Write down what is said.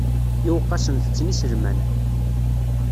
Iweqqasen tetten iselman.